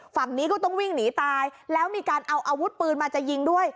ฝั่งนี้ก็ต้องวิ่งหนีตายแล้วมีการเอาอาวุธปืนมาจะยิงด้วย